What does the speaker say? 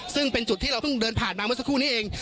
ซึ่งเป็นจุดที่เราเพิ่งเดินผ่านมาเมื่อสักครู่นี้เอง